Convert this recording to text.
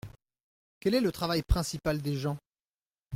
Quel est le travail principal des gens ?